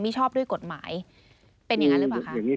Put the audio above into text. ไม่ชอบด้วยกฎหมายเป็นอย่างงั้นหรือเปล่าคะอย่างนี้